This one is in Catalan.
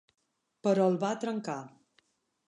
Però el va trencar.